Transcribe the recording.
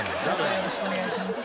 よろしくお願いします。